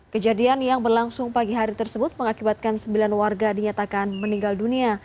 kejadian yang berlangsung pagi hari tersebut mengakibatkan sembilan warga dinyatakan meninggal dunia